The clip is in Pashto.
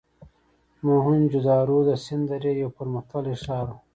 موهنچودارو د سند درې یو پرمختللی ښار و.